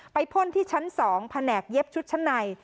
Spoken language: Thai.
พ่นที่ชั้น๒แผนกเย็บชุดชั้นใน